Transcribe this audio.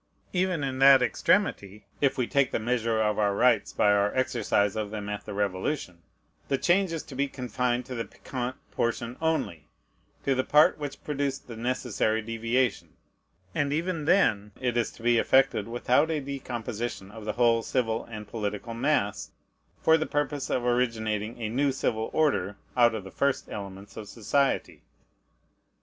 Even in that extremity, (if we take the measure of our rights by our exercise of them at the Revolution,) the change is to be confined to the peccant part only, to the part which produced the necessary deviation; and even then it is to be effected without a decomposition of the whole civil and political mass, for the purpose of originating a new civil order out of the first elements of society.